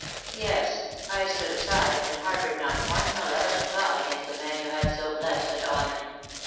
Yes, I stood aside and haboured not one male volent thought against the man you had so blest and honoured.